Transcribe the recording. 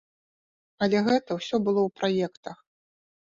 Але гэта ўсё было ў праектах.